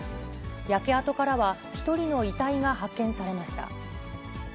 焼け跡からは１人の遺体が発見されました。